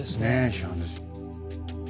批判ですよ。